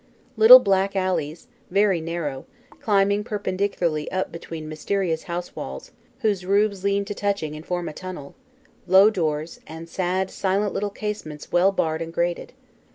Little black alleys, very narrow, climbing perpendicularly up between mysterious house walls, whose roofs lean to touching and form a tunnel; low doors, and sad, silent little casements well barred and grated.